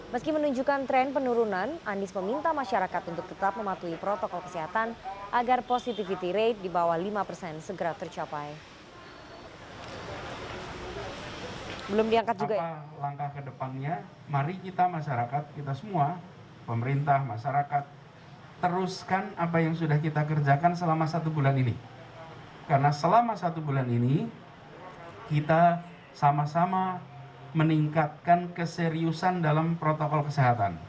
meski menunjukkan tren penurunan anies meminta masyarakat untuk tetap mematuhi protokol kesehatan agar positivity rate di bawah lima persen segera tercapai